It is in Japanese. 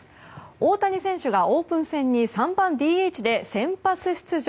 大谷選手がオープン戦に３番ＤＨで先発出場。